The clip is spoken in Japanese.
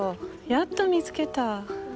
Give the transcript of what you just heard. やっと見つけた。